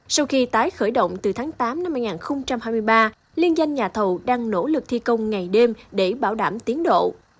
sau khi tái khởi động từ tháng tám năm hai nghìn hai mươi ba liên doanh nhà thầu đang nỗ lực thi công ngày đêm để bảo đảm tiến độ